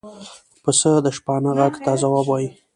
پسه د شپانه غږ ته ځواب وايي.